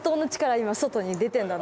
今外に出てんだな。